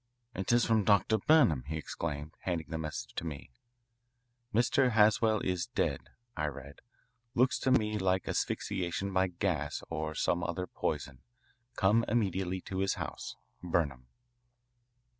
"It is from Dr. Burnham," he exclaimed, handing the message to me. "Mr. Haswell is dead," I read. "Looks to me like asphyxiation by gas or some other poison. Come immediately to his house. Burnham."